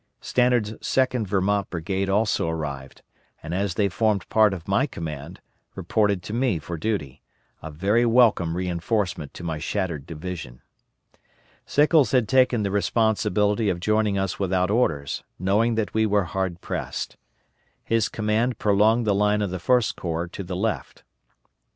Stannard's Second Vermont brigade also arrived, and as they formed part of my command, reported to me for duty; a very welcome reinforcement to my shattered division. Sickles had taken the responsibility of joining us without orders, knowing that we were hard pressed. His command prolonged the line of the First Corps to the left.